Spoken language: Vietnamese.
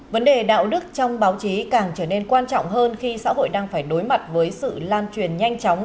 vấn đề đạo đức trong báo chí càng trở nên quan trọng hơn khi xã hội đang phải đối mặt với sự lan truyền nhanh chóng